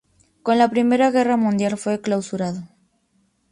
Con la Primera Guerra Mundial fue clausurado.